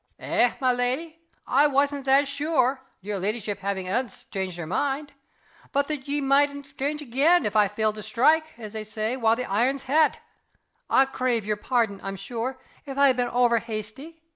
"Eh, my leddy, I wasna' that sure (yer leddyship having ance changed yer mind) but that ye might e'en change again if I failed to strike, as they say, while the iron's het. I crave yer pardon, I'm sure, if I ha' been ower hasty.